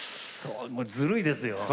ずるいですよ。